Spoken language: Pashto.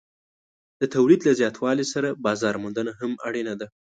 د تولید له زیاتوالي سره بازار موندنه هم اړینه ده.